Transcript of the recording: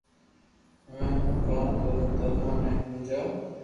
ھمي ھون ڪاو ڪارو تمي مني ھمجاو